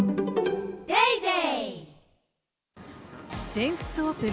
全仏オープン